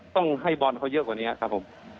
ต้องให้บอลเขาเยอะกว่านี้ครับผม